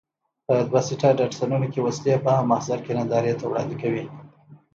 په دوه سیټه ډاټسنونو کې وسلې په عام محضر کې نندارې ته وړاندې کوي.